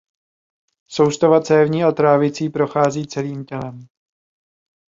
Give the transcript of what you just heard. Soustava cévní a trávicí prochází celým tělem.